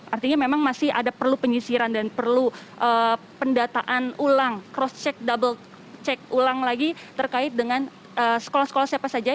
artinya memang masih ada perlu penyisiran dan perlu pendataan ulang cross check double check ulang lagi terkait dengan sekolah sekolah siapa saja